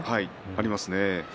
ありますね。